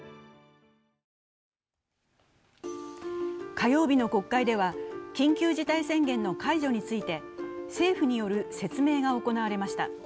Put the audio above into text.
火曜日の国会では、緊急事態宣言の解除について、政府による説明が行われました。